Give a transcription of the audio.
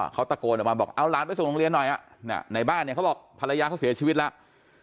เขาตะโกนออกมาบอกเอาหลานไปส่งโรงเรียนหน่อยในบ้านเนี่ยเขาบอกภรรยาเขาเสียชีวิตแล้ว